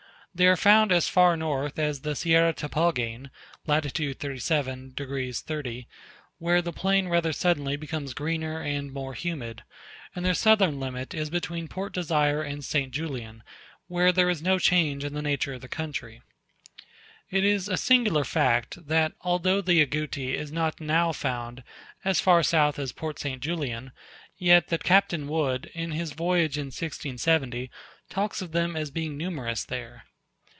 They are found as far north as the Sierra Tapalguen (lat. 37 degs. 30'), where the plain rather suddenly becomes greener and more humid; and their southern limit is between Port Desire and St. Julian, where there is no change in the nature of the country. It is a singular fact, that although the Agouti is not now found as far south as Port St. Julian, yet that Captain Wood, in his voyage in 1670, talks of them as being numerous there.